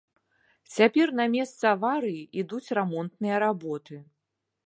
Цяпер на месцы аварыі ідуць рамонтныя работы.